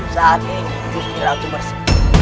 saat ini gusti ratu bersih